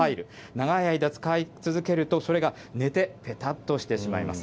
長い間使い続けると、それが寝て、ぺたっとしてしまいます。